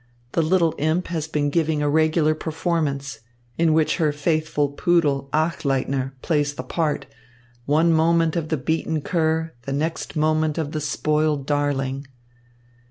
The little imp has been giving a regular performance, in which her faithful poodle, Achleitner, plays the part, one moment of the beaten cur, the next moment of the spoiled darling."